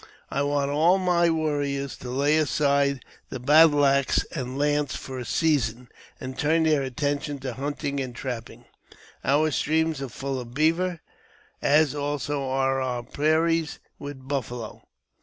I want all my warriors to lay aside the battle axe and lance for a season, and turn their attention to hunting and trapping. Our streams are full of beaver, as also are our prairies with buffalo.